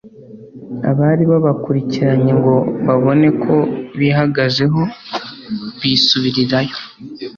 abari babakurikiranye ngo babone ko bihagazeho, bisubirirayo